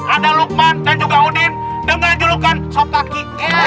ada lukman dan juga udin dengan julukan sopaki